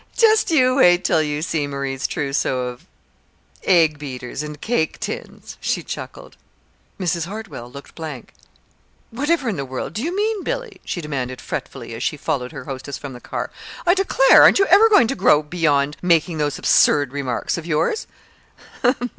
Just you wait till you see Marie's trousseau of egg beaters and cake tins," she chuckled. Mrs. Hartwell looked blank. "Whatever in the world do you mean, Billy?" she demanded fretfully, as she followed her hostess from the car. "I declare! aren't you ever going to grow beyond making those absurd remarks of yours?"